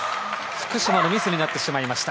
福島のミスになってしまいました。